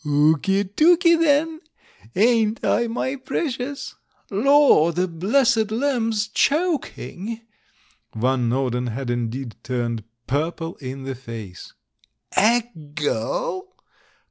Ookytooky, then! Ain't I, my precious? Lor, the blessed lamb's chok ing!" Van Norden had indeed turned purple in the face. A girl!